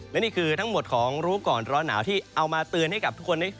และนี่คือทั้งหมดของรู้ก่อนร้อนหนาวที่เอามาเตือนให้กับทุกคน